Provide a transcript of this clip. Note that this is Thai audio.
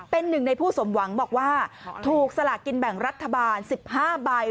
เป็นหนึ่งในผู้สมหวังบอกว่าถูกสลากินแบ่งรัฐบาล๑๕ใบ